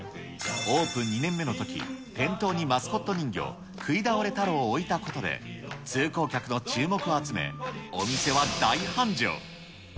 オープン２年目のとき、店頭にマスコット人形、くいだおれ太郎を置いたことで、通行客の注目を集め、お店は大繁盛。